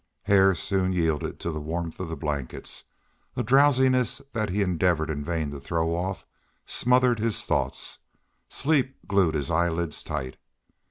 Hare soon yielded to the warmth of the blankets; a drowsiness that he endeavored in vain to throw off smothered his thoughts; sleep glued his eyelids tight.